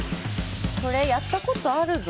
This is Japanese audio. これ、やったことあるぞ。